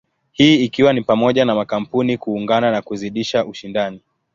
Hii ikiwa ni pamoja na makampuni kuungana na kuzidisha ushindani.